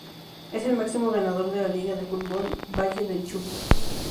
Es el máximo ganador de la Liga de fútbol Valle del Chubut.